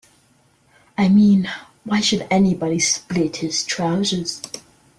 I mean, why should anybody split his trousers?